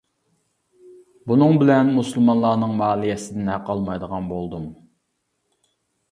بۇنىڭ بىلەن مۇسۇلمانلارنىڭ مالىيەسىدىن ھەق ئالمايدىغان بولدۇم.